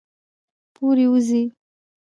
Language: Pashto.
پورې ، وځي